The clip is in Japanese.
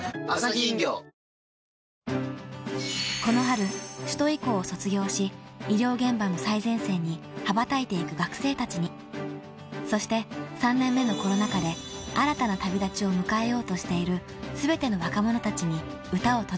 ［この春首都医校を卒業し医療現場の最前線に羽ばたいていく学生たちにそして３年目のコロナ禍で新たな旅立ちを迎えようとしている］